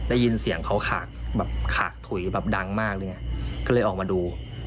ได้ยินเสียงเขาขากแบบขาดถุยแบบดังมากเลยก็เลยออกมาดู